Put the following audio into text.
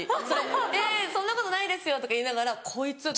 「えぇそんなことないですよ」とか言いながら「こいつ」と。